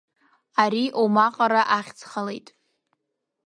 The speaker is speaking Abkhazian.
Ари Омаҟара ахьӡхалеит.